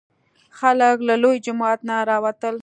خلک له لوی جومات نه راوتل.